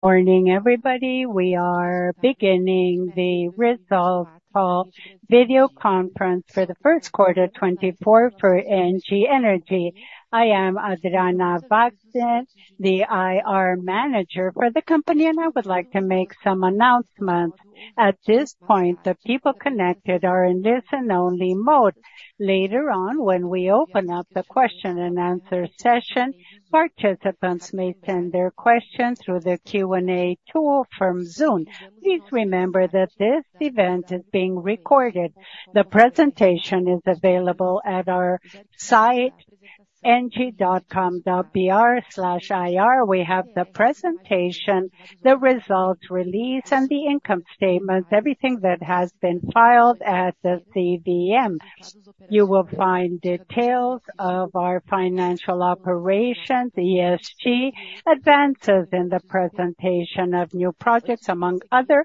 Morning everybody. We are beginning the Results Call video conference for the first quarter 2024 for ENGIE Energia. I am Adriana Wagner, the IR manager for the company, and I would like to make some announcements. At this point, the people connected are listen-only mode. Later on, when we open up the question-and-answer session, participants may send their questions through the Q&A tool from Zoom. Please remember that this event is being recorded. The presentation is available at our site, engie.com.br/ir. We have the presentation, the results release, and the income statements, everything that has been filed at the CVM. You will find details of our financial operations, ESG, advances in the presentation of new projects, among other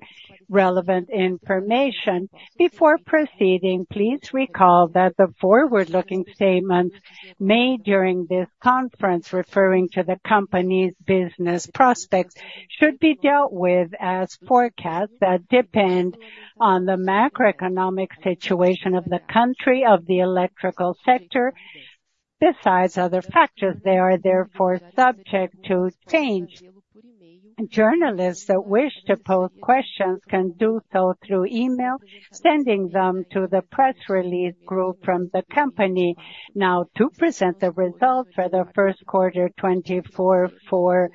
relevant information. Before proceeding, please recall that the forward-looking statements made during this conference referring to the company's business prospects should be dealt with as forecasts that depend on the macroeconomic situation of the country, of the electrical sector. Besides other factors, they are therefore subject to change. Journalists that wish to post questions can do so through email, sending them to the Press Release group from the company. Now, to present the results for the first quarter 2024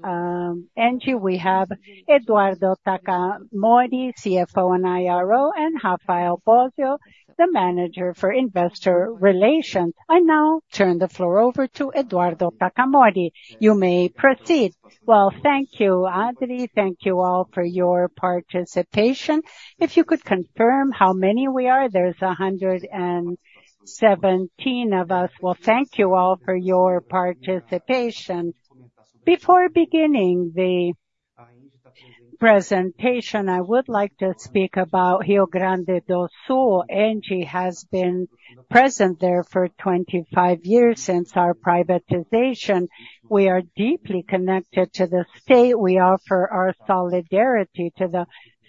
for ENGIE, we have Eduardo Takamori, CFO and IRO, and Rafael Bósio, the manager for investor relations. I now turn the floor over to Eduardo Takamori. You may proceed. Well, thank you, Adri. Thank you all for your participation. If you could confirm how many we are—there's 117 of us. Well, thank you all for your participation. Before beginning the presentation, I would like to speak about Rio Grande do Sul. ENGIE has been present there for 25 years since our privatization. We are deeply connected to the state. We offer our solidarity to the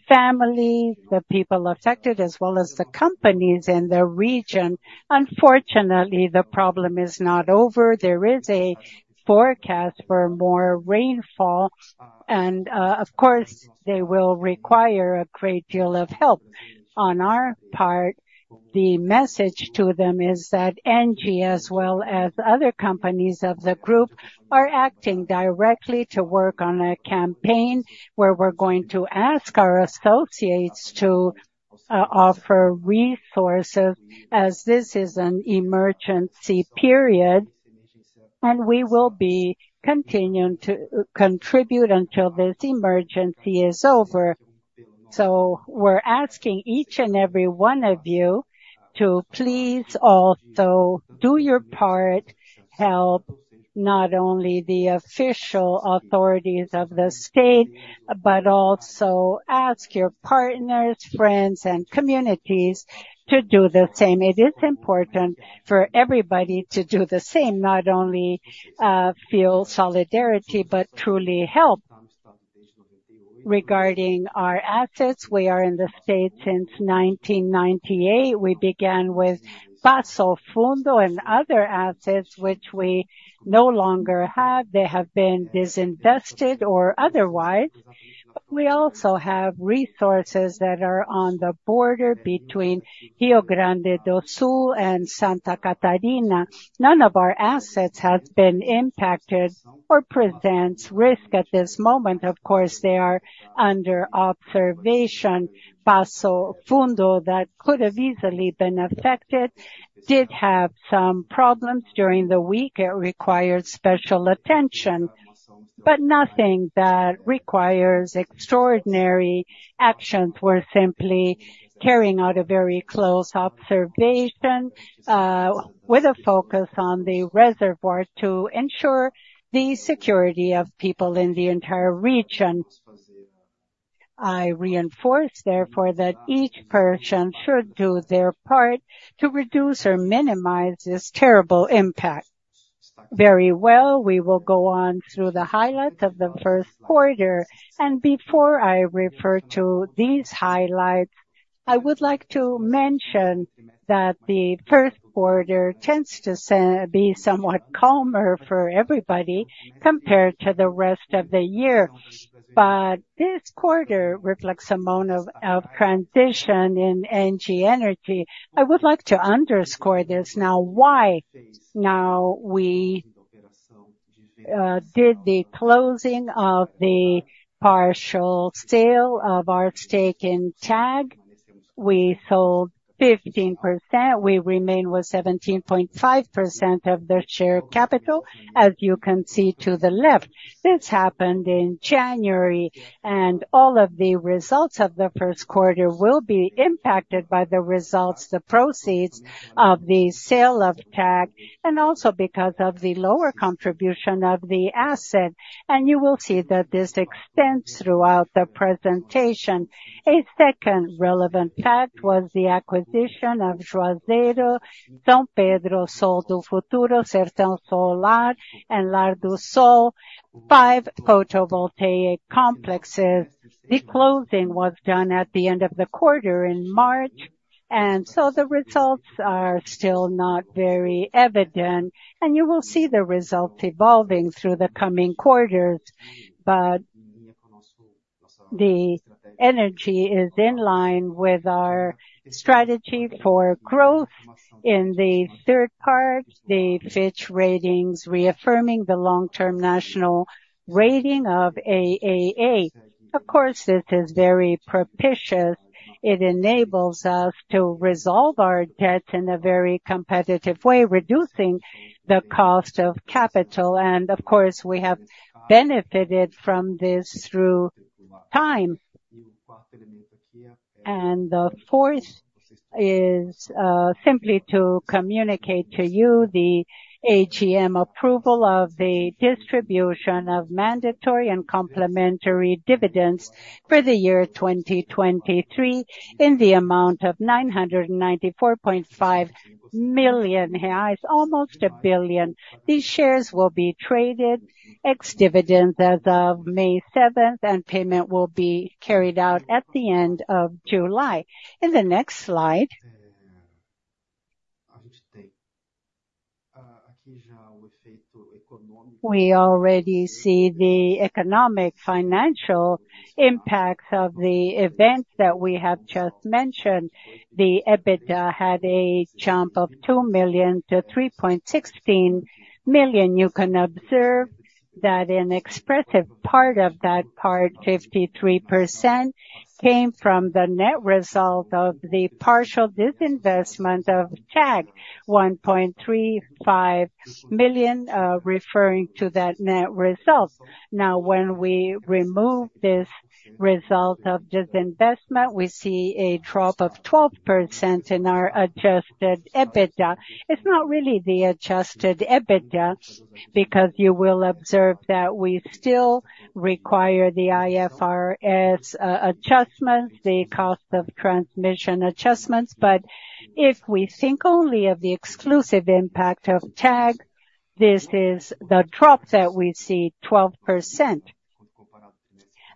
families, the people affected, as well as the companies in the region. Unfortunately, the problem is not over. There is a forecast for more rainfall, and of course, they will require a great deal of help. On our part, the message to them is that ENGIE, as well as other companies of the group, are acting directly to work on a campaign where we're going to ask our associates to offer resources as this is an emergency period, and we will be continuing to contribute until this emergency is over. So we're asking each and every one of you to please also do your part, help not only the official authorities of the state, but also ask your partners, friends, and communities to do the same. It is important for everybody to do the same, not only feel solidarity but truly help. Regarding our assets, we are in the state since 1998. We began with Passo Fundo and other assets, which we no longer have. They have been disinvested or otherwise. But we also have resources that are on the border between Rio Grande do Sul and Santa Catarina. None of our assets has been impacted or presents risk at this moment. Of course, they are under observation. Passo Fundo, that could have easily been affected, did have some problems during the week. It required special attention, but nothing that requires extraordinary actions. We're simply carrying out a very close observation with a focus on the reservoir to ensure the security of people in the entire region. I reinforce, therefore, that each person should do their part to reduce or minimize this terrible impact. Very well, we will go on through the highlights of the first quarter. Before I refer to these highlights, I would like to mention that the first quarter tends to be somewhat calmer for everybody compared to the rest of the year. But this quarter reflects a moment of transition in ENGIE Energia. I would like to underscore this now: why? Now, we did the closing of the partial sale of our stake in TAG. We sold 15%. We remain with 17.5% of the share capital, as you can see to the left. This happened in January, and all of the results of the first quarter will be impacted by the results, the proceeds of the sale of TAG, and also because of the lower contribution of the asset. And you will see that this extends throughout the presentation. A second relevant fact was the acquisition of Juazeiro, São Pedro, Sol do Futuro, Sertão Solar, and Lar do Sol, five photovoltaic complexes. The closing was done at the end of the quarter in March, and so the results are still not very evident. And you will see the results evolving through the coming quarters. But the energy is in line with our strategy for growth in the third part, the Fitch Ratings reaffirming the long-term national rating of AAA. Of course, this is very propitious. It enables us to resolve our debts in a very competitive way, reducing the cost of capital. And of course, we have benefited from this through time. And the fourth is simply to communicate to you the AGM approval of the distribution of mandatory and complementary dividends for the year 2023 in the amount of 994.5 million reais, almost 1 billion. These shares will be traded, ex-dividends as of May 7th, and payment will be carried out at the end of July. In the next slide, we already see the economic financial impacts of the events that we have just mentioned. The EBITDA had a jump of 2 million to 3.16 million. You can observe that an expressive part of that part, 53%, came from the net result of the partial disinvestment of TAG, 1.35 million, referring to that net result. Now, when we remove this result of disinvestment, we see a drop of 12% in our adjusted EBITDA. It's not really the adjusted EBITDA because you will observe that we still require the IFRS adjustments, the cost of transmission adjustments. But if we think only of the exclusive impact of TAG, this is the drop that we see, 12%.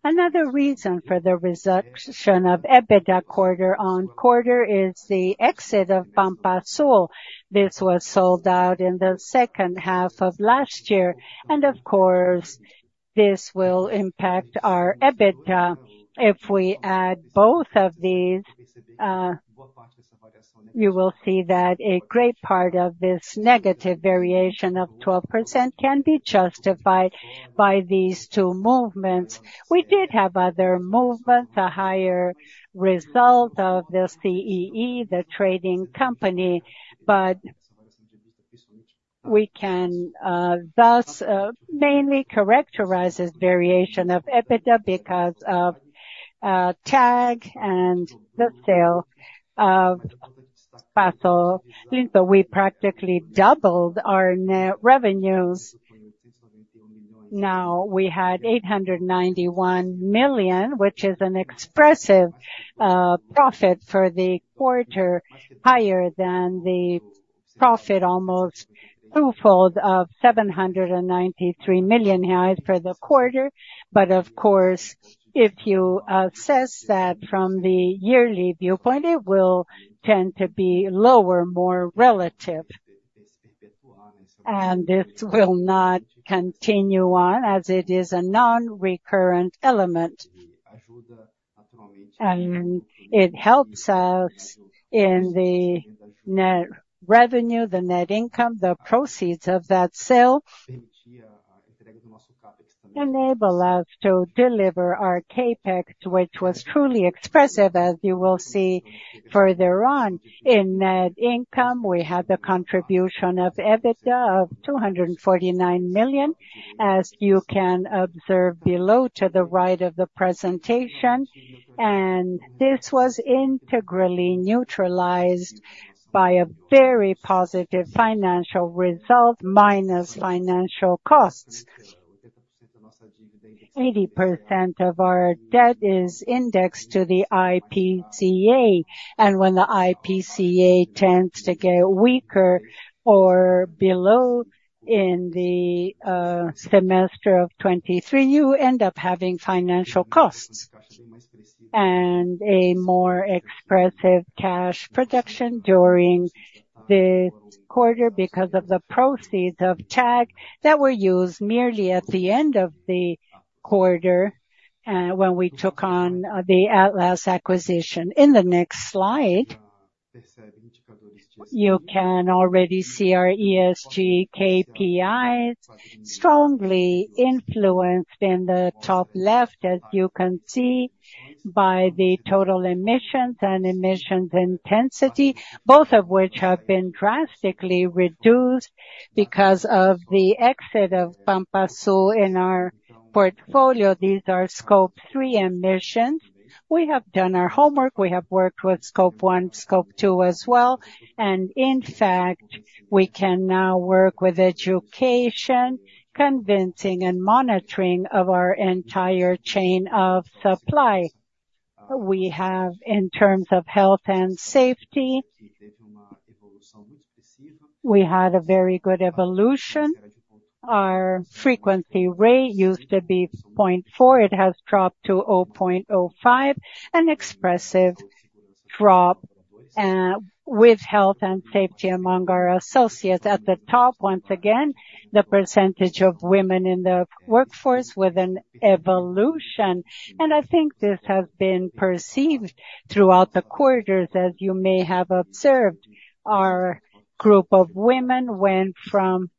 Another reason for the reduction of EBITDA quarter-on-quarter is the exit of Pampa Sul. This was sold in the second half of last year. Of course, this will impact our EBITDA. If we add both of these, you will see that a great part of this negative variation of 12% can be justified by these two movements. We did have other movements, a higher result of the CEE, the trading company, but we can thus mainly characterize this variation of EBITDA because of TAG and the sale of Pampa Sul. We practically doubled our net revenues. Now, we had 891 million, which is an expressive profit for the quarter, higher than the profit almost twofold of 793 million for the quarter. Of course, if you assess that from the yearly viewpoint, it will tend to be lower, more relative. This will not continue on as it is a non-recurrent element. It helps us in the net revenue, the net income; the proceeds of that sale enable us to deliver our Capex, which was truly expressive, as you will see further on. In net income, we had the contribution of EBITDA of 249 million, as you can observe below to the right of the presentation. This was integrally neutralized by a very positive financial result minus financial costs. 80% of our debt is indexed to the IPCA. When the IPCA tends to get weaker or below in the semester of 2023, you end up having financial costs and a more expressive cash production during this quarter because of the proceeds of TAG that were used merely at the end of the quarter when we took on the Atlas acquisition. In the next slide, you can already see our ESG KPIs strongly influenced in the top left, as you can see, by the total emissions and emissions intensity, both of which have been drastically reduced because of the exit of Pampa Sul in our portfolio. These are Scope 3 emissions. We have done our homework. We have worked with Scope 1, Scope 2 as well. In fact, we can now work with education, convincing, and monitoring of our entire chain of supply. We have, in terms of health and safety, we had a very good evolution. Our frequency rate used to be 0.4. It has dropped to 0.05, an expressive drop with health and safety among our associates. At the top, once again, the percentage of women in the workforce with an evolution. I think this has been perceived throughout the quarters. As you may have observed, our group of women went from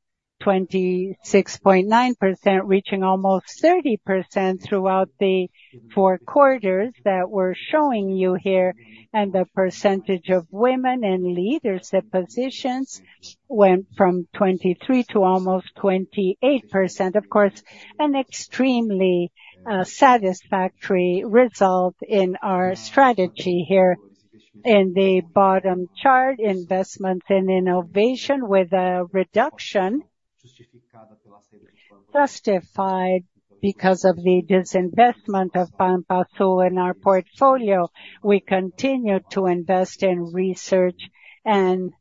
26.9% reaching almost 30% throughout the 4 quarters that we're showing you here. The percentage of women in leadership positions went from 23% to almost 28%, of course, an extremely satisfactory result in our strategy here. In the bottom chart, investments in innovation with a reduction justified because of the disinvestment of Pampa Sul in our portfolio. We continue to invest in research and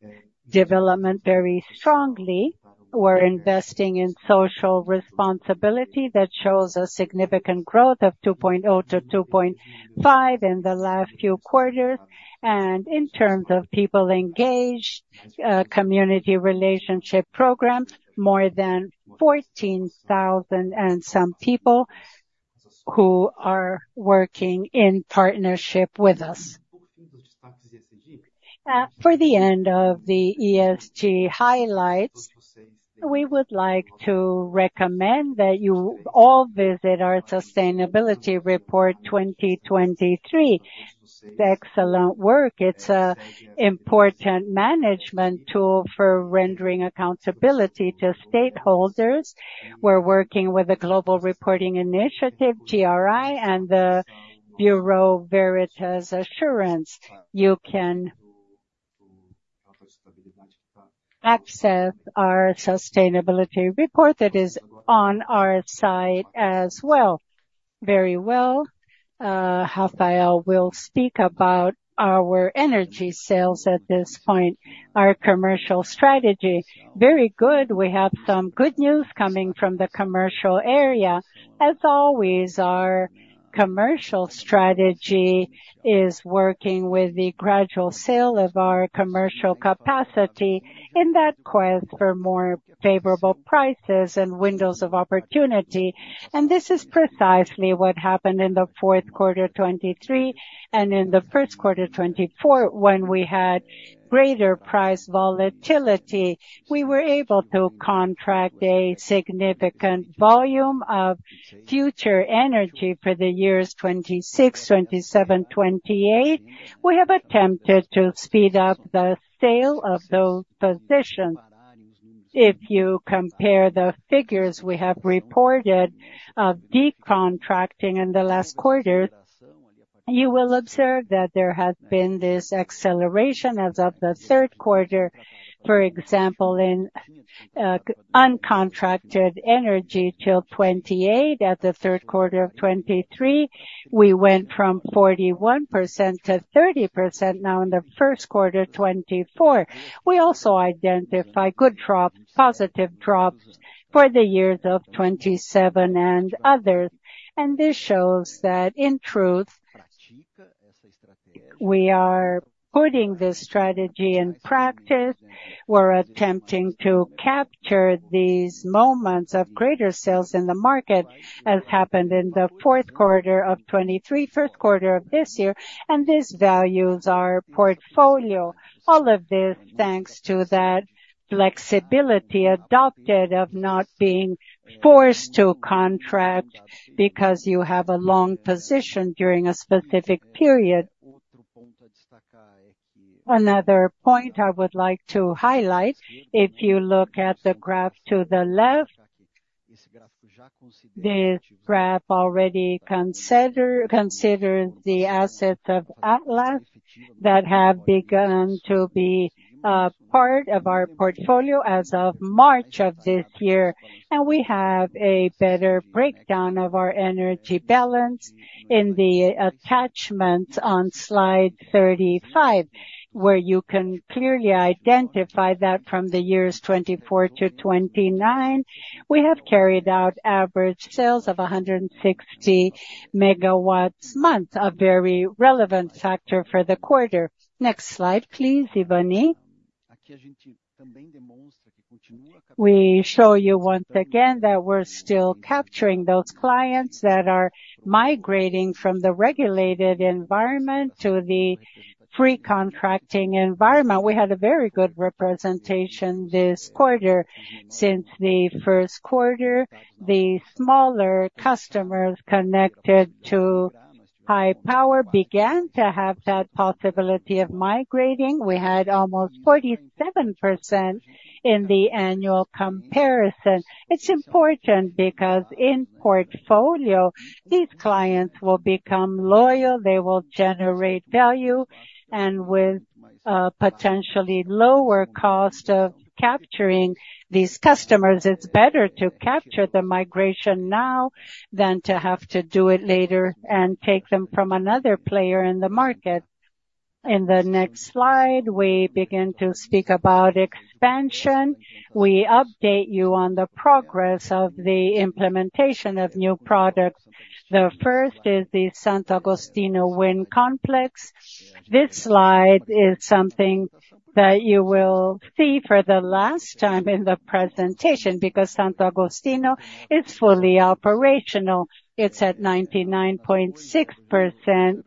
development very strongly. We're investing in social responsibility that shows a significant growth of 2.0-2.5 in the last few quarters. In terms of people engaged, community relationship programs, more than 14,000 and some people who are working in partnership with us. For the end of the ESG highlights, we would like to recommend that you all visit our Sustainability Report 2023. It's excellent work. It's an important management tool for rendering accountability to stakeholders. We're working with the Global Reporting Initiative, GRI, and the Bureau Veritas assurance. You can access our Sustainability Report that is on our site as well. Very well. Rafael will speak about our energy sales at this point, our commercial strategy. Very good. We have some good news coming from the commercial area. As always, our commercial strategy is working with the gradual sale of our commercial capacity in that quest for more favorable prices and windows of opportunity. This is precisely what happened in the fourth quarter 2023 and in the first quarter 2024 when we had greater price volatility. We were able to contract a significant volume of future energy for the years 2026, 2027, 2028. We have attempted to speed up the sale of those positions. If you compare the figures we have reported of decontracting in the last quarter, you will observe that there has been this acceleration as of the third quarter. For example, in uncontracted energy till 2028, at the third quarter of 2023, we went from 41% to 30% now in the first quarter 2024. We also identify good drops, positive drops for the years of 2027 and others. And this shows that in truth, we are putting this strategy in practice. We're attempting to capture these moments of greater sales in the market as happened in the fourth quarter of 2023, first quarter of this year. And this values our portfolio, all of this thanks to that flexibility adopted of not being forced to contract because you have a long position during a specific period. Another point I would like to highlight, if you look at the graph to the left, this graph already considers the assets of Atlas that have begun to be part of our portfolio as of March of this year. And we have a better breakdown of our energy balance in the attachments on slide 35, where you can clearly identify that from the years 2024 to 2029. We have carried out average sales of 160 megawatts-month, a very relevant factor for the quarter. Next slide, please, Emanuela. We show you once again that we're still capturing those clients that are migrating from the regulated environment to the free contracting environment. We had a very good representation this quarter. Since the first quarter, the smaller customers connected to high power began to have that possibility of migrating. We had almost 47% in the annual comparison. It's important because in portfolio, these clients will become loyal. They will generate value. And with a potentially lower cost of capturing these customers, it's better to capture the migration now than to have to do it later and take them from another player in the market. In the next slide, we begin to speak about expansion. We update you on the progress of the implementation of new products. The first is the Santo Agostinho Wind Complex. This slide is something that you will see for the last time in the presentation because Santo Agostinho is fully operational. It's at 99.6%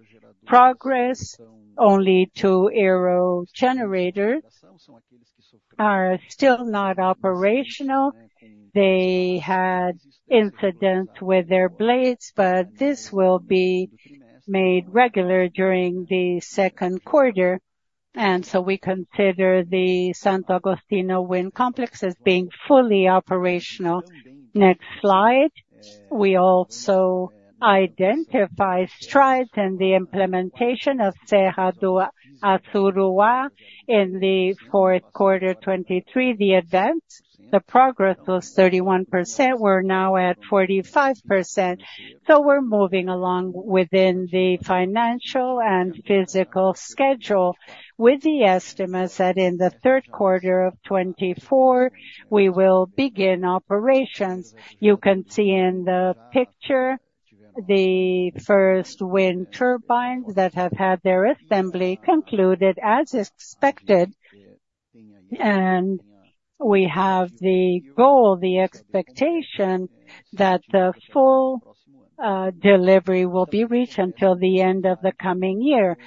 progress, only two aerogenerators are still not operational. They had incidents with their blades, but this will be made regular during the second quarter. And so we consider the Santo Agostinho Wind Complex as being fully operational. Next slide. We also identify strides in the implementation of Serra do Assuruá in the fourth quarter 2023. The events, the progress was 31%. We're now at 45%. So we're moving along within the financial and physical schedule with the estimates that in the third quarter of 2024, we will begin operations. You can see in the picture the first wind turbines that have had their assembly concluded as expected. And we have the goal, the expectation that the full delivery will be reached until the end of the coming year.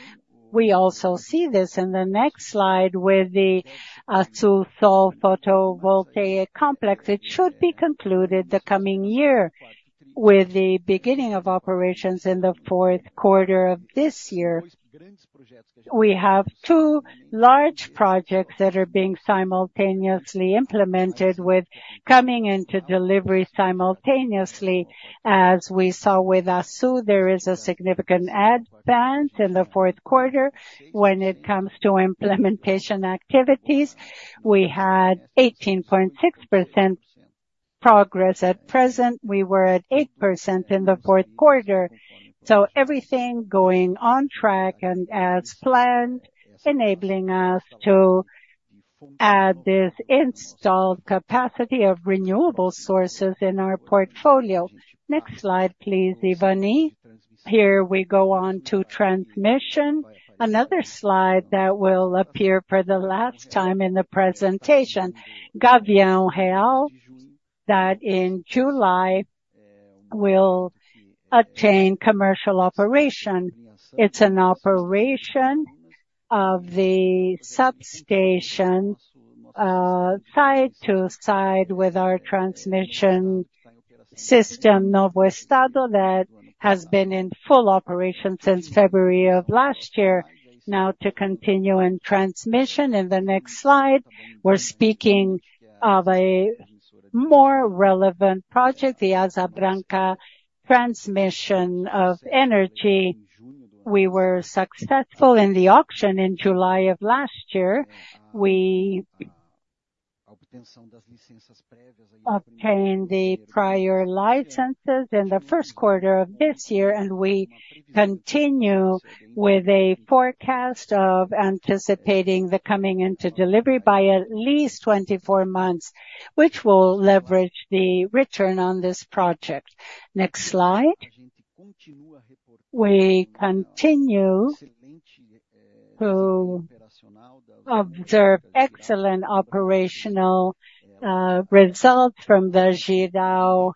We also see this in the next slide with the Assú Sol Photovoltaic Complex. It should be concluded the coming year with the beginning of operations in the fourth quarter of this year. We have two large projects that are being simultaneously implemented with coming into delivery simultaneously. As we saw with Assú Sol, there is a significant advance in the fourth quarter when it comes to implementation activities. We had 18.6% progress at present. We were at 8% in the fourth quarter. So everything going on track and as planned, enabling us to add this installed capacity of renewable sources in our portfolio. Next slide, please, Emanuela. Here we go on to transmission. Another slide that will appear for the last time in the presentation, Gavião Real, that in July will attain commercial operation. It's an operation of the substation side to side with our transmission system, Novo Estado, that has been in full operation since February of last year, now to continue in transmission. In the next slide, we're speaking of a more relevant project, the Asa Branca transmission of energy. We were successful in the auction in July of last year. We obtained the prior licenses in the first quarter of this year. We continue with a forecast of anticipating the coming into delivery by at least 24 months, which will leverage the return on this project. Next slide. We continue to observe excellent operational results from the Jirau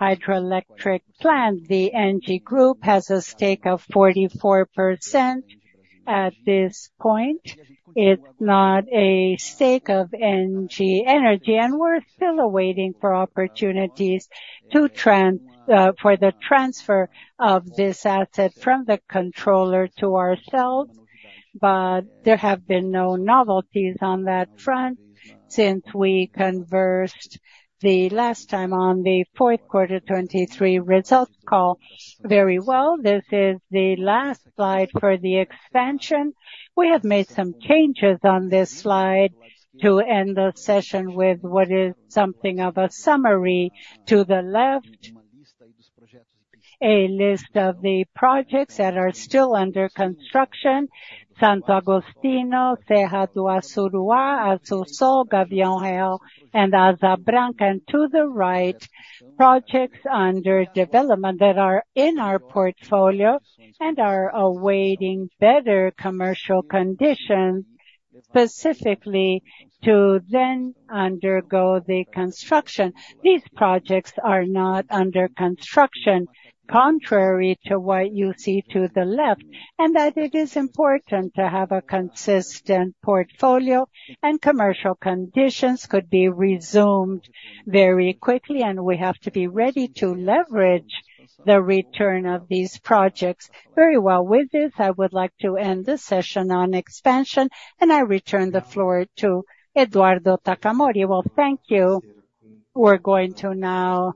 Hydroelectric Plant. The ENGIE Group has a stake of 44% at this point. It's not a stake of ENGIE Energy. We're still awaiting opportunities for the transfer of this asset from the controller to ourselves. There have been no novelties on that front since we conversed the last time on the fourth quarter 2023 results call very well. This is the last slide for the expansion. We have made some changes on this slide to end the session with what is something of a summary to the left, a list of the projects that are still under construction, Santo Agostinho, Serra do Assuruá, Assú Sol, Gavião Real, and Asa Branca. To the right, projects under development that are in our portfolio and are awaiting better commercial conditions specifically to then undergo the construction. These projects are not under construction, contrary to what you see to the left, and that it is important to have a consistent portfolio. Commercial conditions could be resumed very quickly. We have to be ready to leverage the return of these projects very well. With this, I would like to end the session on expansion. I return the floor to Eduardo Takamori. Well, thank you. We're going to now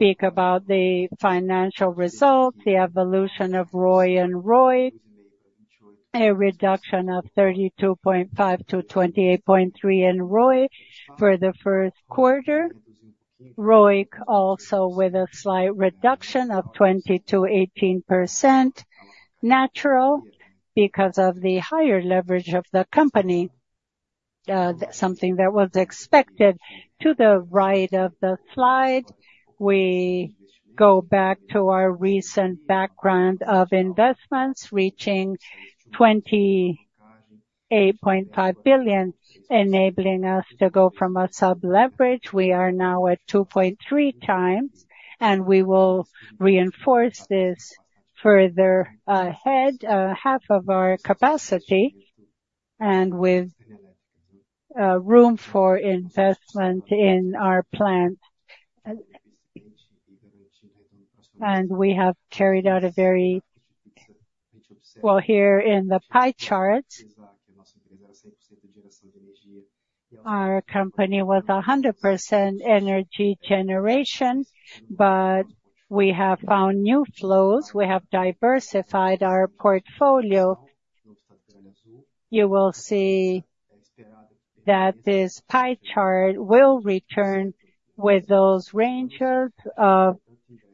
speak about the financial results, the evolution of ROI and ROIC, a reduction of 32.5%-28.3% in ROI for the first quarter. ROIC also with a slight reduction of 22.18%, natural because of the higher leverage of the company, something that was expected. To the right of the slide, we go back to our recent background of investments reaching 28.5 billion, enabling us to go from a sub-leverage. We are now at 2.3x. We will reinforce this further ahead, half of our capacity and with room for investment in our plant. We have carried out a very, well, here in the pie chart, our company was 100% energy generation. But we have found new flows. We have diversified our portfolio. You will see that this pie chart will return with those ranges of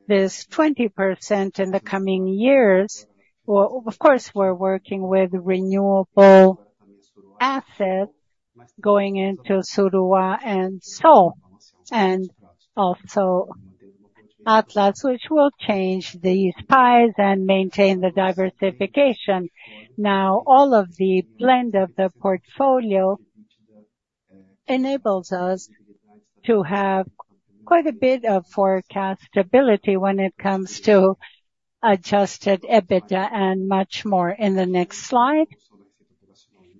this 20% in the coming years. Of course, we're working with renewable assets going into Assuruá and Sol and also Atlas, which will change these pies and maintain the diversification. Now, all of the blend of the portfolio enables us to have quite a bit of forecast stability when it comes to adjusted EBITDA and much more. In the next slide,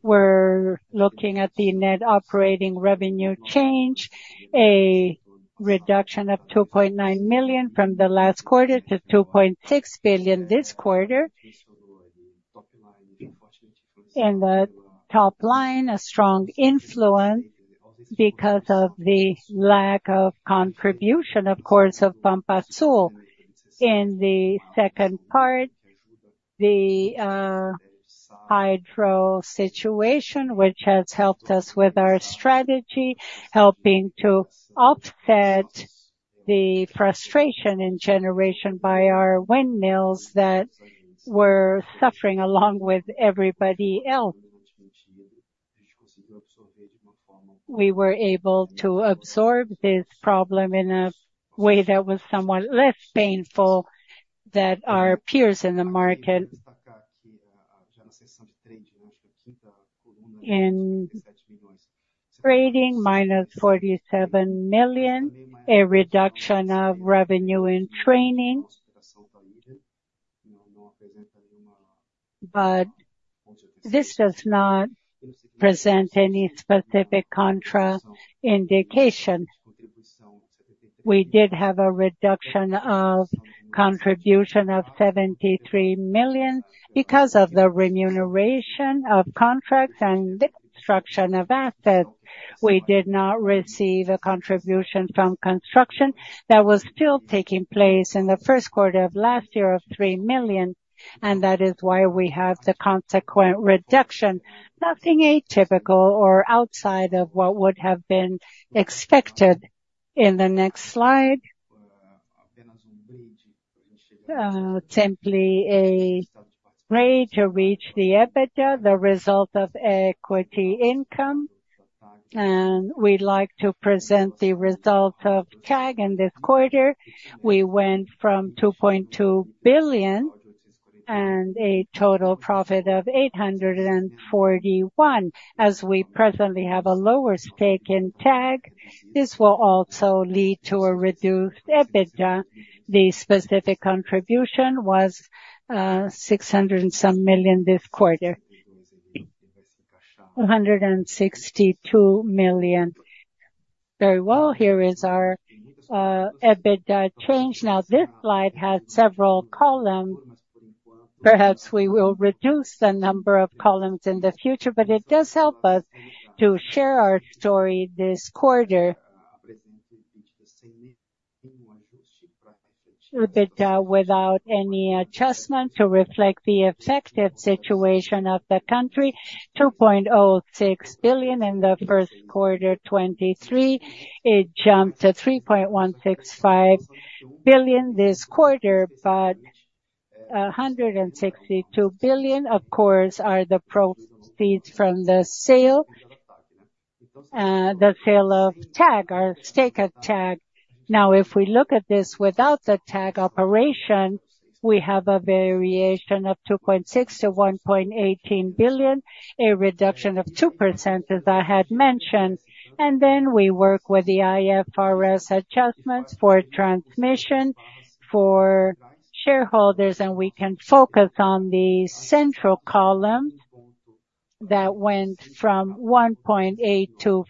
we're looking at the net operating revenue change, a reduction of 2.9 million from the last quarter to 2.6 billion this quarter. In the top line, a strong influence because of the lack of contribution, of course, of Pampa Sul. In the second part, the hydro situation, which has helped us with our strategy, helping to offset the frustration in generation by our windmills that were suffering along with everybody else. We were able to absorb this problem in a way that was somewhat less painful than our peers in the market. Trading -47 million, a reduction of revenue in trading. But this does not present any specific contraindication. We did have a reduction of contribution of 73 million because of the remuneration of contracts and the construction of assets. We did not receive a contribution from construction that was still taking place in the first quarter of last year of 3 million. And that is why we have the consequent reduction, nothing atypical or outside of what would have been expected. In the next slide, simply a rate to reach the EBITDA, the result of equity income. And we'd like to present the result of TAG in this quarter. We went from 2.2 billion and a total profit of 841. As we presently have a lower stake in TAG, this will also lead to a reduced EBITDA. The specific contribution was 600 and some million this quarter, 162 million. Very well. Here is our EBITDA change. Now, this slide has several columns. Perhaps we will reduce the number of columns in the future, but it does help us to share our story this quarter. EBITDA without any adjustment to reflect the effective situation of the country, 2.06 billion in the first quarter 2023. It jumped to 3.165 billion this quarter. But 162 billion, of course, are the proceeds from the sale, the sale of TAG, our stake of TAG. Now, if we look at this without the TAG operation, we have a variation of 2.6 billion to 1.18 billion, a reduction of 2% as I had mentioned. And then we work with the IFRS adjustments for transmission for shareholders. And we can focus on the central column that went from 1.825 billion to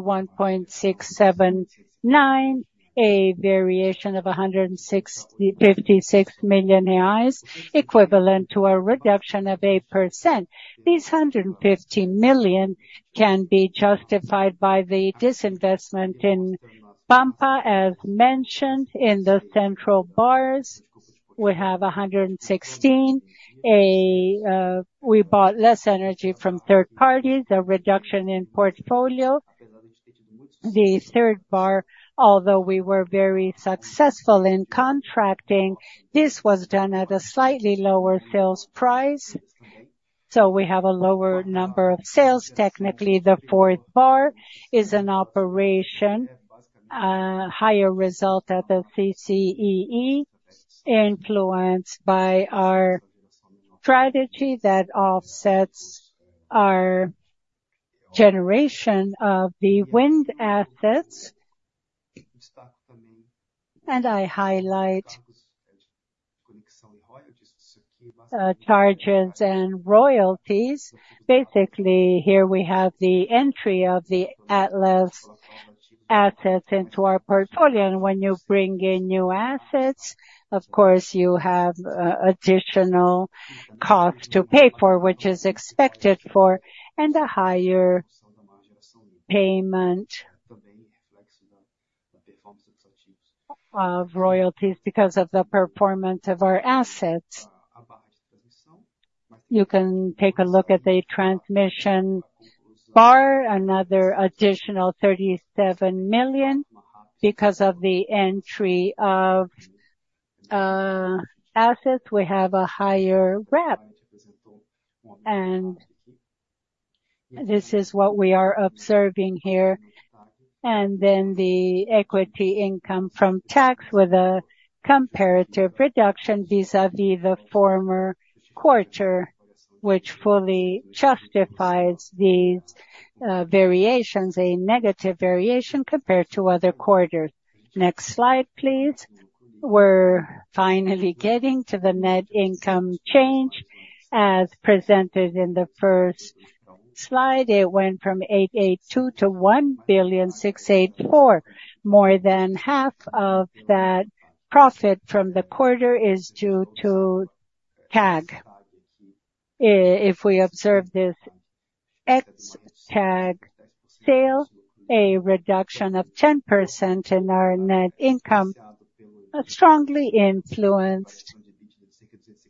1.679 billion, a variation of 156 million reais, equivalent to a reduction of 8%. These 150 million can be justified by the disinvestment in Pampa, as mentioned in the central bars. We have 116. We bought less energy from third parties, a reduction in portfolio. The third bar, although we were very successful in contracting, this was done at a slightly lower sales price. So we have a lower number of sales. Technically, the fourth bar is an operation, a higher result at the CCEE, influenced by our strategy that offsets our generation of the wind assets. And I highlight charges and royalties. Basically, here we have the entry of the Atlas assets into our portfolio. And when you bring in new assets, of course, you have additional costs to pay for, which is expected for, and a higher payment of royalties because of the performance of our assets. You can take a look at the transmission bar, another additional 37 million because of the entry of assets. We have a higher rep. This is what we are observing here. Then the equity income from TAG with a comparative reduction vis-à-vis the former quarter, which fully justifies these variations, a negative variation compared to other quarters. Next slide, please. We're finally getting to the net income change as presented in the first slide. It went from 882 million to 1,684 million. More than half of that profit from the quarter is due to TAG. If we observe this ex-TAG sale, a reduction of 10% in our net income, strongly influenced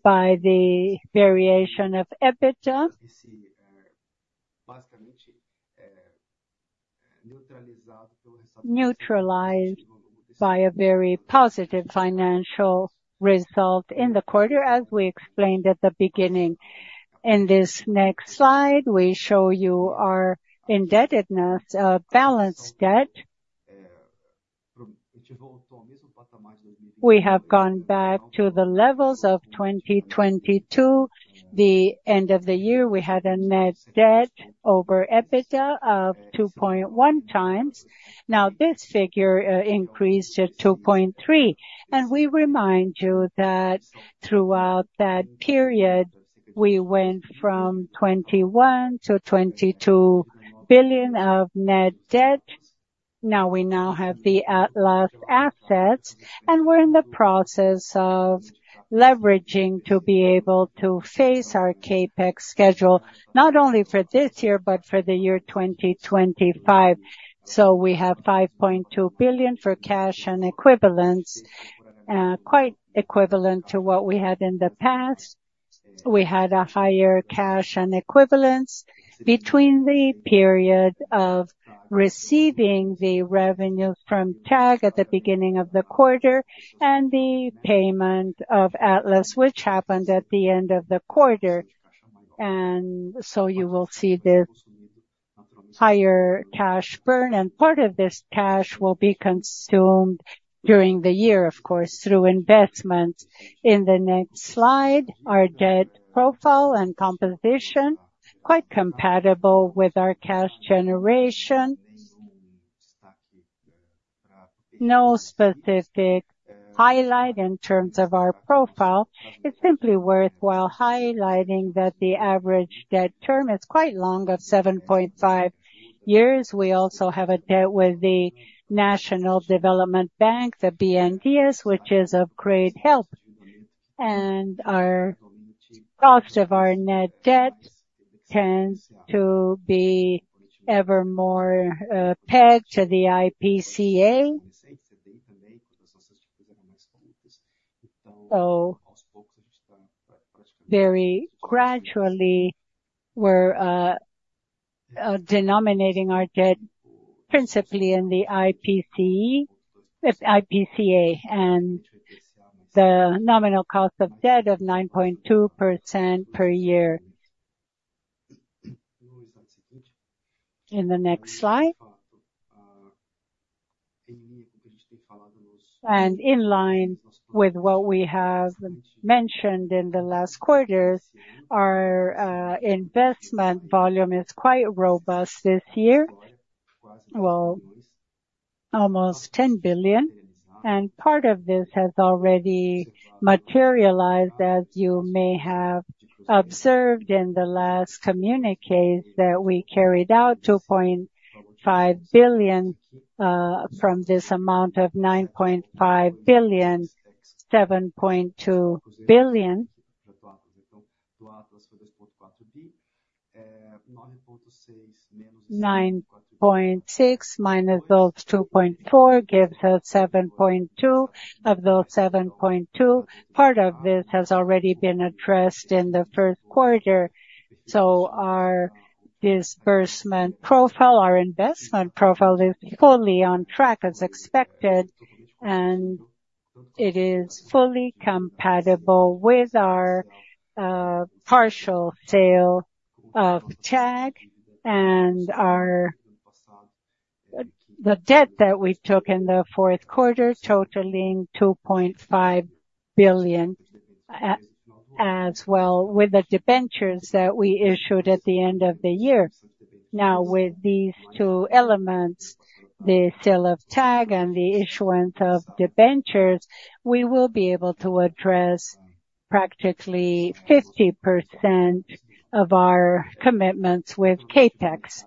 by the variation of EBITDA, neutralized by a very positive financial result in the quarter, as we explained at the beginning. In this next slide, we show you our indebtedness, balanced debt. We have gone back to the levels of 2022. At the end of the year, we had a net debt over EBITDA of 2.1 times. Now, this figure increased to 2.3. We remind you that throughout that period, we went from 21 billion-22 billion of net debt. Now, we now have the Atlas assets. We're in the process of leveraging to be able to face our CapEx schedule, not only for this year but for the year 2025. We have 5.2 billion for cash and equivalents, quite equivalent to what we had in the past. We had a higher cash and equivalents between the period of receiving the revenues from TAG at the beginning of the quarter and the payment of Atlas, which happened at the end of the quarter. You will see this higher cash burn. Part of this cash will be consumed during the year, of course, through investments. In the next slide, our debt profile and composition, quite compatible with our cash generation. No specific highlight in terms of our profile. It's simply worthwhile highlighting that the average debt term is quite long, 7.5 years. We also have a debt with the National Development Bank, the BNDES, which is of great help. Our cost of our net debt tends to be ever more pegged to the IPCA. So very gradually, we're denominating our debt principally in the IPCA and the nominal cost of debt of 9.2% per year. In the next slide. In line with what we have mentioned in the last quarters, our investment volume is quite robust this year, almost 10 billion. Part of this has already materialized, as you may have observed in the last communiqué that we carried out, 2.5 billion from this amount of 9.5 billion, 7.2 billion. 9.6 billion minus those 2.4 billion gives us 7.2 billion of those 7.2 billion. Part of this has already been addressed in the first quarter. So our disbursement profile, our investment profile is fully on track as expected. And it is fully compatible with our partial sale of TAG and the debt that we took in the fourth quarter, totaling 2.5 billion as well with the debentures that we issued at the end of the year. Now, with these two elements, the sale of TAG and the issuance of debentures, we will be able to address practically 50% of our commitments with CapEx.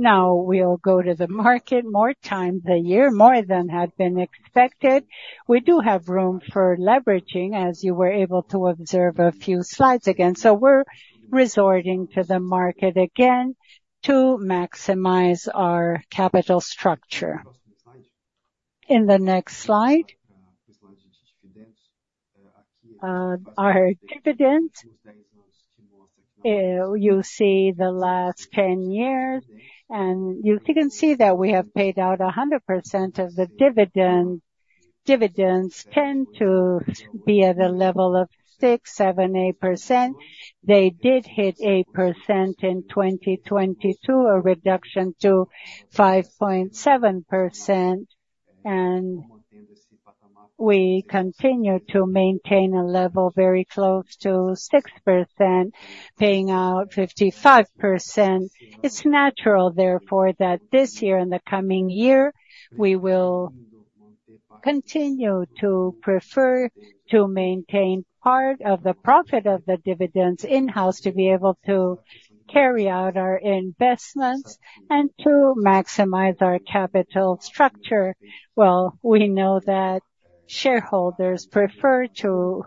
Now, we'll go to the market more times a year, more than had been expected. We do have room for leveraging, as you were able to observe a few slides again. So we're resorting to the market again to maximize our capital structure. In the next slide, you see the last 10 years. And you can see that we have paid out 100% of the dividends. Dividends tend to be at a level of 6%-8%. They did hit 8% in 2022, a reduction to 5.7%. And we continue to maintain a level very close to 6%, paying out 55%. It's natural, therefore, that this year and the coming year, we will continue to prefer to maintain part of the profit of the dividends in-house to be able to carry out our investments and to maximize our capital structure. Well, we know that shareholders prefer to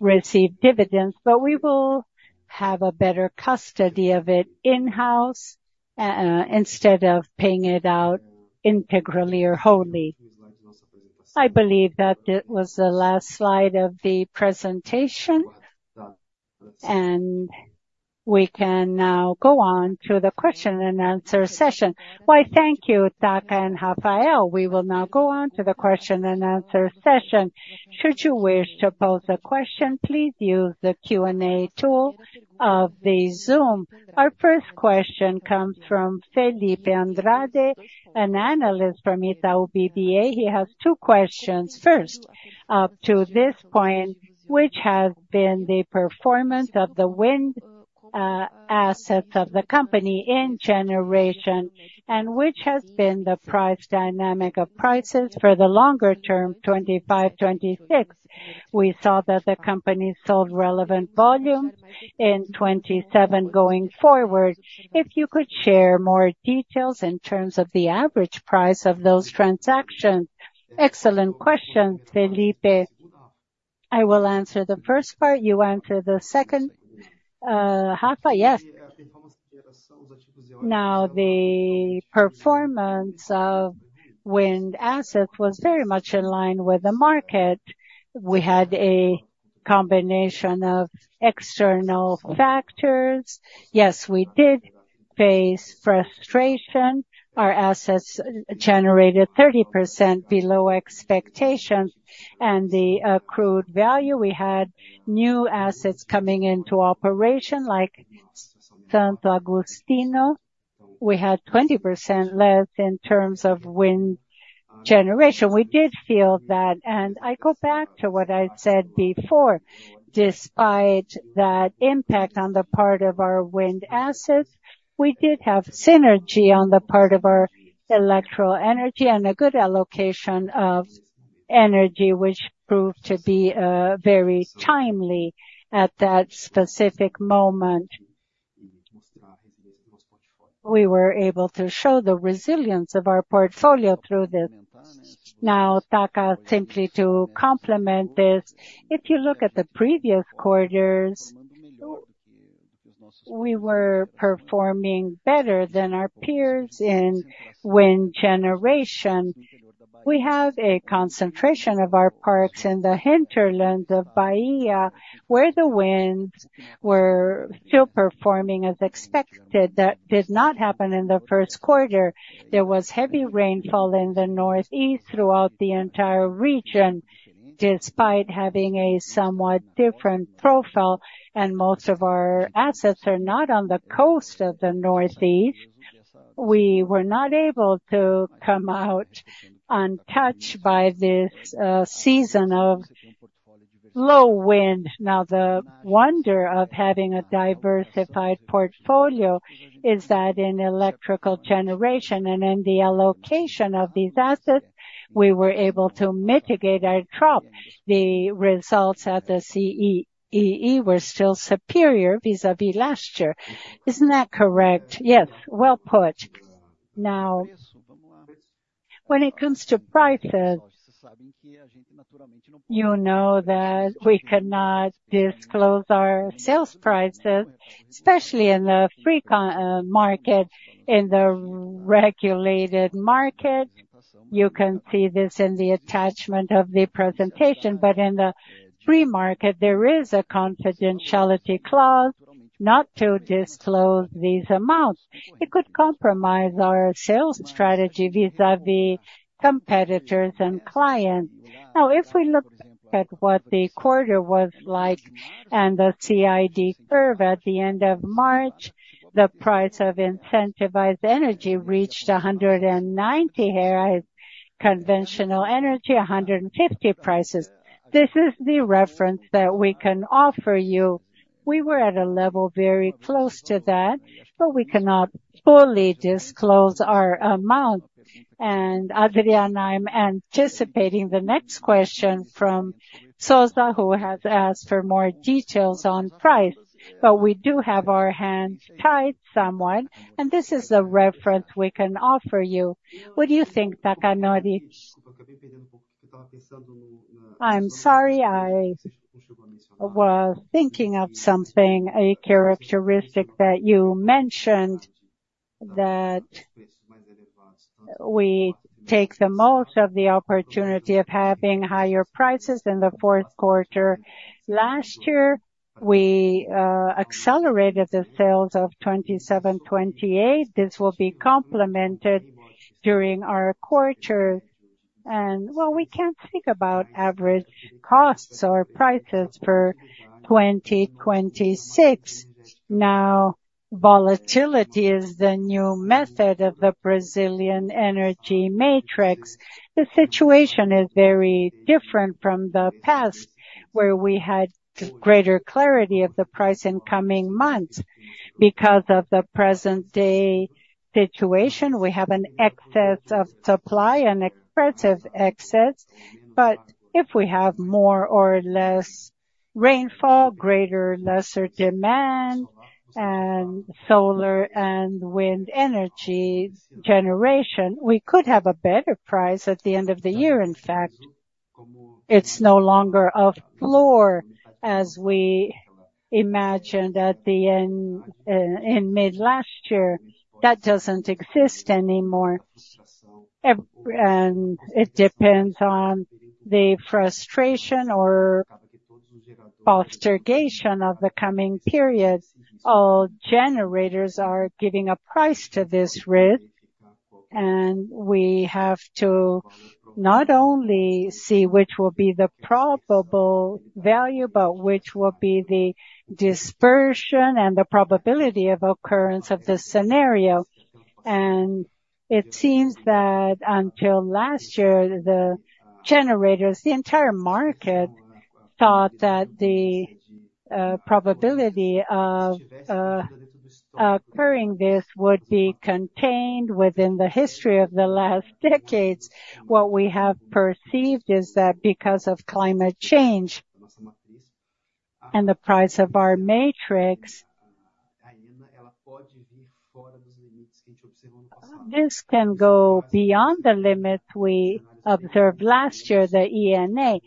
receive dividends, but we will have a better custody of it in-house instead of paying it out integrally or wholly. I believe that was the last slide of the presentation. We can now go on to the question and answer session. Well, thank you, Taka and Rafael. We will now go on to the question and answer session. Should you wish to pose a question, please use the Q&A tool of the Zoom. Our first question comes from Felipe Andrade, an analyst from Itaú BBA. He has two questions. First, up to this point, which has been the performance of the wind assets of the company in generation and which has been the price dynamic of prices for the longer term, 2025, 2026? We saw that the company sold relevant volume in 2027 going forward. If you could share more details in terms of the average price of those transactions? Excellent questions, Felipe. I will answer the first part. You answer the second. Rafa, yes. Now, the performance of wind assets was very much in line with the market. We had a combination of external factors. Yes, we did face frustration. Our assets generated 30% below expectations. And the accrued value, we had new assets coming into operation like Santo Agostinho. We had 20% less in terms of wind generation. We did feel that. And I go back to what I said before. Despite that impact on the part of our wind assets, we did have synergy on the part of our electrical energy and a good allocation of energy, which proved to be very timely at that specific moment. We were able to show the resilience of our portfolio through this. Now, Taka, simply to complement this, if you look at the previous quarters, we were performing better than our peers in wind generation. We have a concentration of our parks in the hinterlands of Bahia where the winds were still performing as expected. That did not happen in the first quarter. There was heavy rainfall in the Northeast throughout the entire region despite having a somewhat different profile. Most of our assets are not on the coast of the Northeast. We were not able to come out untouched by this season of low wind. Now, the wonder of having a diversified portfolio is that in electrical generation and in the allocation of these assets, we were able to mitigate our drop. The results at the CCEE were still superior vis-à-vis last year. Isn't that correct? Yes, well put. Now, when it comes to prices, you know that we cannot disclose our sales prices, especially in the free market, in the regulated market. You can see this in the attachment of the presentation. But in the free market, there is a confidentiality clause not to disclose these amounts. It could compromise our sales strategy vis-à-vis competitors and clients. Now, if we look at what the quarter was like and the CID curve at the end of March, the price of incentivized energy reached 190 here as conventional energy, 150 prices. This is the reference that we can offer you. We were at a level very close to that, but we cannot fully disclose our amounts. And Adriana, I'm anticipating the next question from Souza, who has asked for more details on price. But we do have our hands tied somewhat. This is the reference we can offer you. What do you think, Eduardo Takamori? I'm sorry. I was thinking of something, a characteristic that you mentioned, that we take the most of the opportunity of having higher prices in the fourth quarter. Last year, we accelerated the sales of 2027, 2028. This will be complemented during our quarter. And well, we can't speak about average costs or prices for 2026. Now, volatility is the new method of the Brazilian energy matrix. The situation is very different from the past where we had greater clarity of the price in coming months. Because of the present-day situation, we have an excess of supply, an expressive excess. But if we have more or less rainfall, greater or lesser demand, and solar and wind energy generation, we could have a better price at the end of the year, in fact. It's no longer off-floor as we imagined at the end in mid-last year. That doesn't exist anymore. It depends on the frustration or postergation of the coming period. All generators are giving a price to this risk. We have to not only see which will be the probable value but which will be the dispersion and the probability of occurrence of this scenario. It seems that until last year, the generators, the entire market, thought that the probability of occurring this would be contained within the history of the last decades. What we have perceived is that because of climate change and the price of our matrix, this can go beyond the limits we observed last year, the ENA,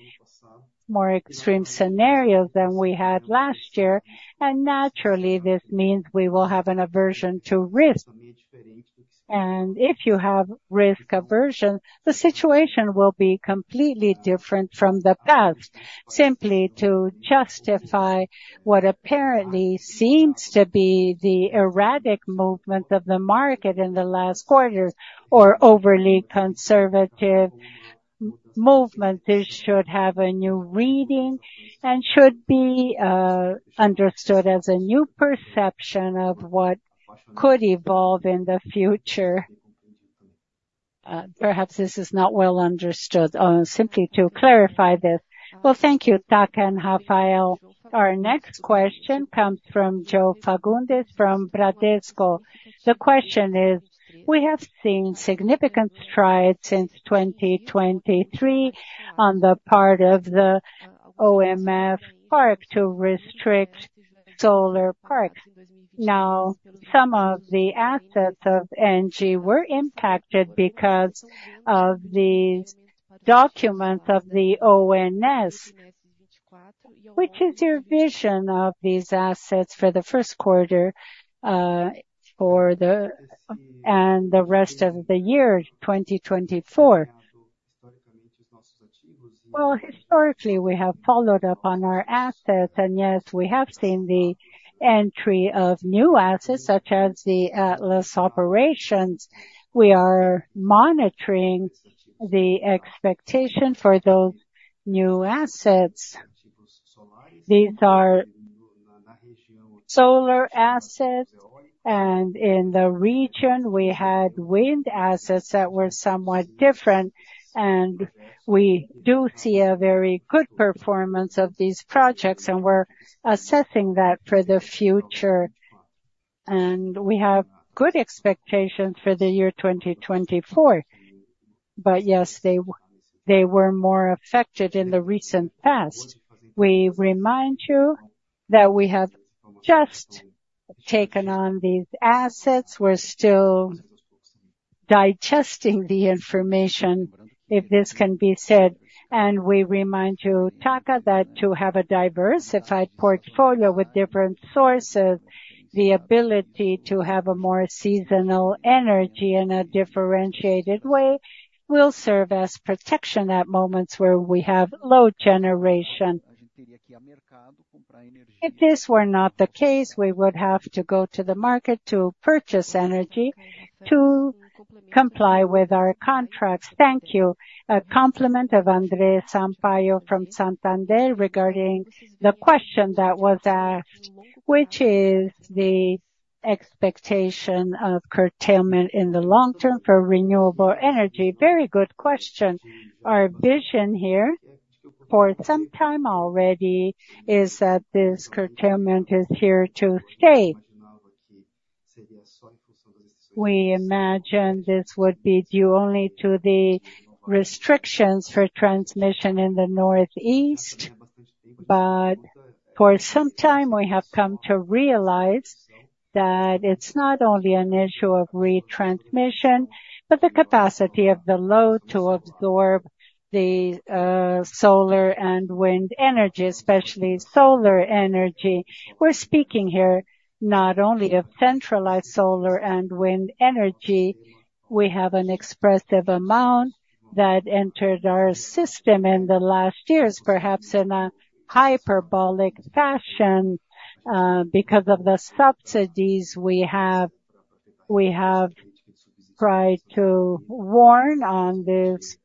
more extreme scenarios than we had last year. Naturally, this means we will have an aversion to risk. If you have risk aversion, the situation will be completely different from the past. Simply to justify what apparently seems to be the erratic movement of the market in the last quarters or overly conservative movement, this should have a new reading and should be understood as a new perception of what could evolve in the future. Perhaps this is not well understood. Simply to clarify this. Well, thank you, Taka and Rafael. Our next question comes from João Fagundes from Bradesco. The question is, we have seen significant strides since 2023 on the part of the ONS to restrict solar parks. Now, some of the assets of ENGIE were impacted because of the documents of the ONS, which is your vision of these assets for the first quarter and the rest of the year, 2024? Well, historically, we have followed up on our assets. Yes, we have seen the entry of new assets such as the Atlas operations. We are monitoring the expectation for those new assets. These are solar assets. In the region, we had wind assets that were somewhat different. We do see a very good performance of these projects. We're assessing that for the future. We have good expectations for the year 2024. But yes, they were more affected in the recent past. We remind you that we have just taken on these assets. We're still digesting the information, if this can be said. We remind you, Taka, that to have a diversified portfolio with different sources, the ability to have a more seasonal energy in a differentiated way will serve as protection at moments where we have low generation. If this were not the case, we would have to go to the market to purchase energy to comply with our contracts. Thank you. A question from André Sampaio from Santander regarding the question that was asked, which is the expectation of curtailment in the long term for renewable energy. Very good question. Our vision here for some time already is that this curtailment is here to stay. We imagine this would be due only to the restrictions for transmission in the Northeast. But for some time, we have come to realize that it's not only an issue of transmission but the capacity of the load to absorb the solar and wind energy, especially solar energy. We're speaking here not only of centralized solar and wind energy. We have an expressive amount that entered our system in the last years, perhaps in a hyperbolic fashion because of the subsidies we have tried to warn on this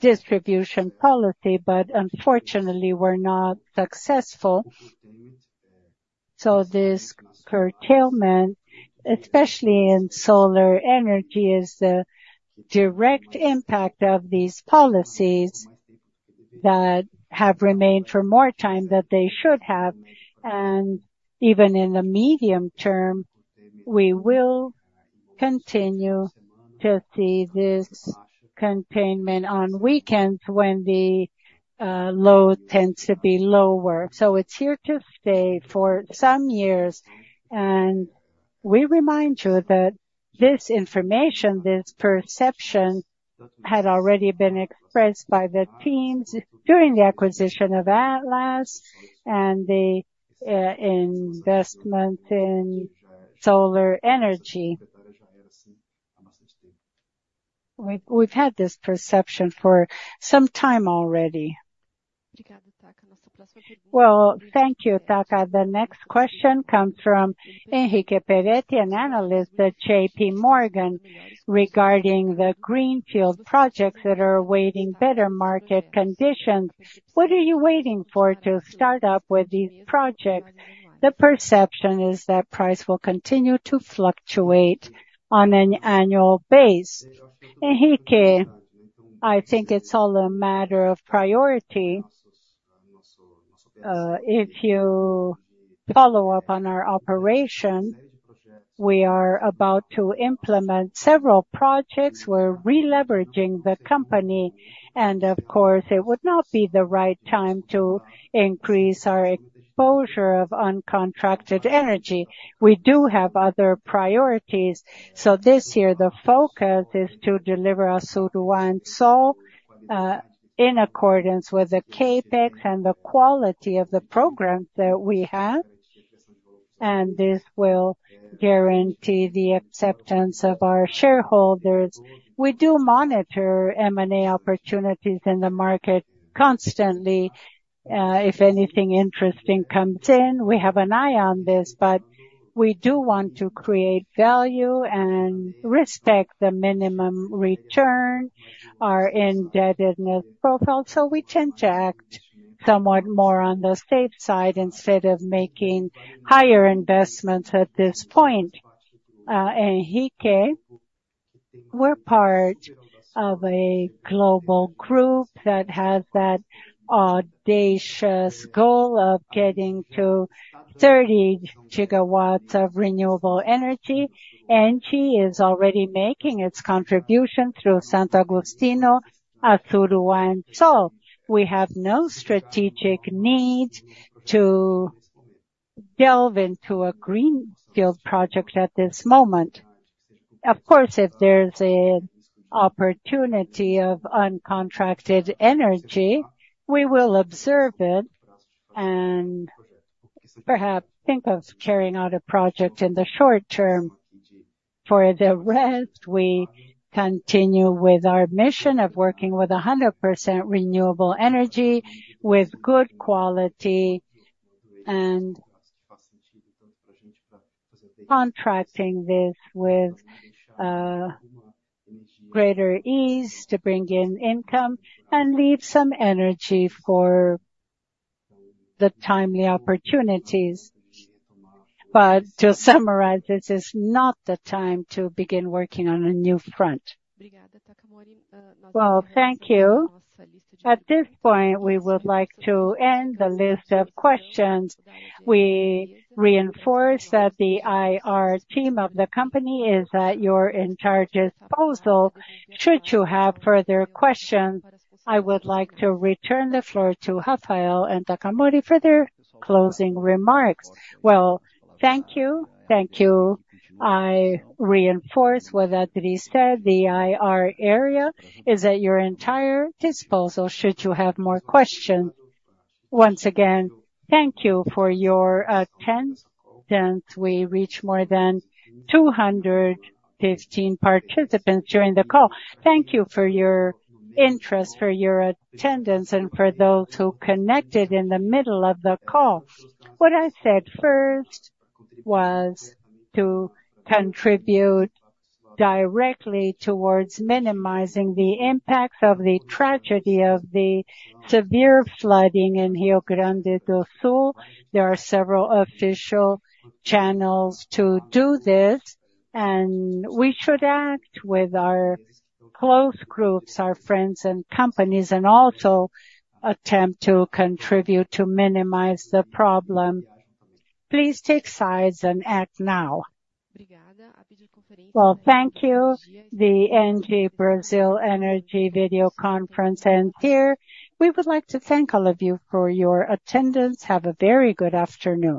distribution policy. Unfortunately, we're not successful. This curtailment, especially in solar energy, is the direct impact of these policies that have remained for more time than they should have. Even in the medium term, we will continue to see this curtailment on weekends when the load tends to be lower. It's here to stay for some years. We remind you that this information, this perception, had already been expressed by the teams during the acquisition of Atlas and the investment in solar energy. We've had this perception for some time already. Well, thank you, Taka. The next question comes from Henrique Peretti, an analyst at J.P. Morgan, regarding the greenfield projects that are awaiting better market conditions. What are you waiting for to start up with these projects? The perception is that price will continue to fluctuate on an annual base. Henrique, I think it's all a matter of priority. If you follow up on our operation, we are about to implement several projects. We're re-leveraging the company. And of course, it would not be the right time to increase our exposure of uncontracted energy. We do have other priorities. So this year, the focus is to deliver Assuruá in accordance with the Capex and the quality of the programs that we have. And this will guarantee the acceptance of our shareholders. We do monitor M&A opportunities in the market constantly. If anything interesting comes in, we have an eye on this. But we do want to create value and respect the minimum return, our indebtedness profile. So we tend to act somewhat more on the safe side instead of making higher investments at this point. Henrique, we're part of a global group that has that audacious goal of getting to 30 GW of renewable energy. ENGIE is already making its contribution through Santo Agostinho, a surge in solar. We have no strategic need to delve into a greenfield project at this moment. Of course, if there's an opportunity of uncontracted energy, we will observe it and perhaps think of carrying out a project in the short term. For the rest, we continue with our mission of working with 100% renewable energy with good quality and contracting this with greater ease to bring in income and leave some energy for the timely opportunities. But to summarize, this is not the time to begin working on a new front. Well, thank you. At this point, we would like to end the list of questions. We reinforce that the IR team of the company is at your entire disposal. Should you have further questions, I would like to return the floor to Rafael and Taka Mori for their closing remarks. Well, thank you. Thank you. I reinforce what Adri said. The IR area is at your entire disposal. Should you have more questions, once again, thank you for your attendance. We reached more than 215 participants during the call. Thank you for your interest, for your attendance, and for those who connected in the middle of the call. What I said first was to contribute directly towards minimizing the impacts of the tragedy of the severe flooding in Rio Grande do Sul. There are several official channels to do this. We should act with our close groups, our friends and companies, and also attempt to contribute to minimize the problem. Please take sides and act now. Well, thank you, the ENGIE Brasil Energia video conference. Here, we would like to thank all of you for your attendance. Have a very good afternoon.